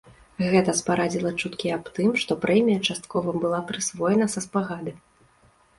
Гэта спарадзіла чуткі аб тым, што прэмія часткова была прысвоена са спагады.